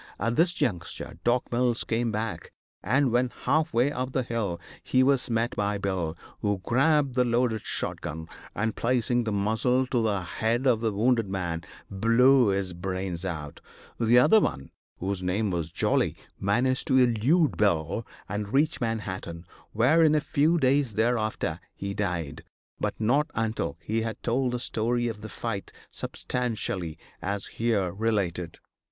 At this juncture Doc. Mills came back, and, when half way up the hill, he was met by Bill, who grabbed the loaded shot gun, and, placing the muzzle to the head of the wounded man, blew his brains out. The other one, whose name was Jolly, managed to elude Bill and reach Manhattan, where, in a few days thereafter, he died, but not until he had told the story of the fight substantially as here related.